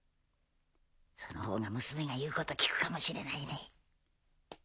そのほうが娘が言うこと聞くかもしれないね。